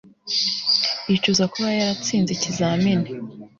Yicuza kuba yaratsinze ikizamini